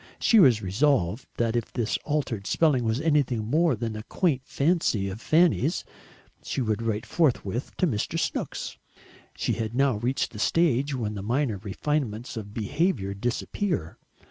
She was resolved that if this altered spelling was anything more than a quaint fancy of Fanny's, she would write forthwith to Mr. Snooks. She had now reached a stage when the minor refinements of behaviour disappear.